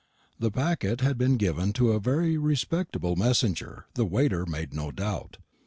The packet had been given to a very respectable messenger, the waiter made no doubt.